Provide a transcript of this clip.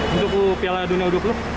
untuk piala dunia u dua puluh